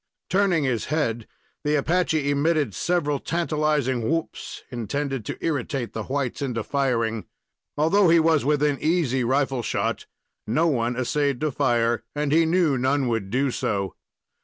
Turning his head, the Apache emitted several tantalizing whoops, intended to irritate the whites into firing. Although he was within easy rifle shot, no one essayed to fire, and he knew none would do so.